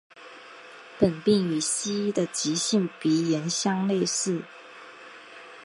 本病与西医的急性鼻炎相类似。